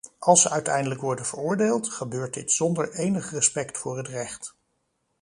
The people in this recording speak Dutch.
Als ze uiteindelijk worden veroordeeld, gebeurt dit zonder enig respect voor het recht.